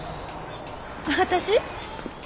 私？